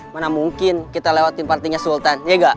mana mungkin kita lewatin partinya sultan ya gak